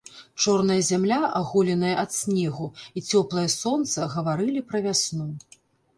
Чорная зямля, аголеная ад снегу, і цёплае сонца гаварылі пра вясну.